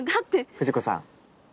藤子さん。